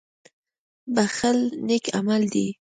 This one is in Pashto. • بښل نېک عمل دی.